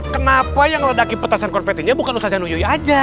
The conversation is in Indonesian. kenapa yang meledaki petasan konfetinya bukan ustazah nuyuyuhi aja